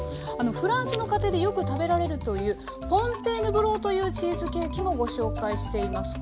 フランスの家庭でよく食べられるという「フォンテーヌブロー」というチーズケーキもご紹介しています。